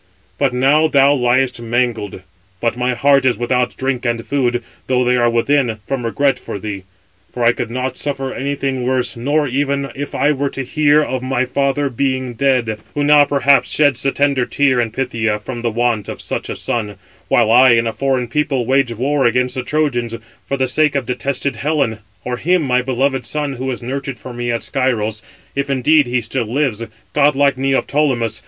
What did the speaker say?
But now thou liest mangled; but my heart is without drink and food, though they are within, from regret for thee; for I could not suffer anything worse, not even if I were to hear of my father being dead, who now perhaps sheds the tender tear in Phthia from the want of such a son; while I, in a foreign people, wage war against the Trojans, for the sake of detested Helen: or him, my beloved son, who is nurtured for me at Scyros, if indeed he still lives, godlike Neoptolemus.